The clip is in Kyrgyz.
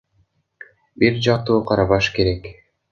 Бир жактуу карабаш керек.